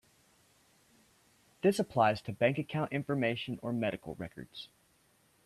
This applies to bank account information or medical record.